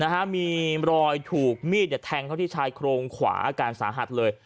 นะฮะมีรอยถูกมีดเนี่ยแทงเข้าที่ชายโครงขวาอาการสาหัสเลย